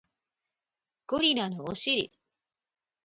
ゴリラのお尻